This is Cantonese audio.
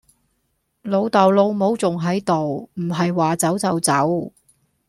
老竇老母仲係度，唔係話走就走